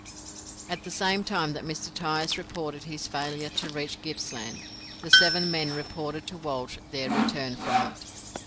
At the same time that Mr. Tyers reported his failure to reach Gippsland, the seven men reported to Walsh their return from it.